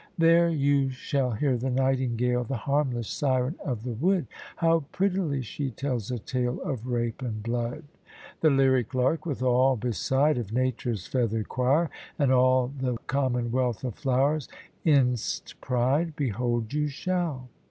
There you shall hear the nightingale, The harmless syren of the wood, How prettily she tells a tale Of rape and blood. The lyric lark, with all beside Of Nature's feather'd quire, and all The commonwealth of flowers in 'ts pride Behold you shall.